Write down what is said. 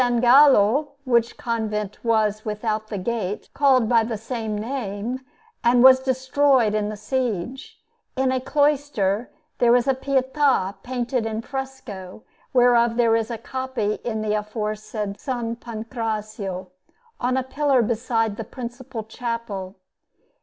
Gallo (which convent was without the Gate called by the same name, and was destroyed in the siege) in a cloister, there was a Pietà painted in fresco, whereof there is a copy in the aforesaid S. Pancrazio, on a pillar beside the principal chapel.